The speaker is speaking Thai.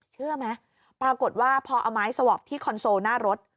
เชื่อไหมปรากฏว่าพอเอาไม้สวอปที่คอนโซลหน้ารถ